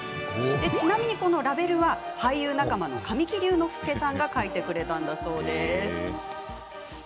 ちなみにラベルは俳優仲間の神木隆之介さんが描いてくれたんだそうです。